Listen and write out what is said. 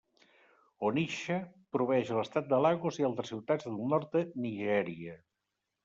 Onitsha proveeix l'Estat de Lagos i altres ciutats del nord de Nigèria.